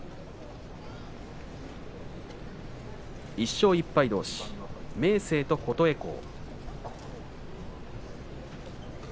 １勝１敗どうし、明生と琴恵光。